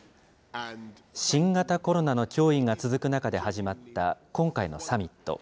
新型コロナの脅威が続く中で始まった、今回のサミット。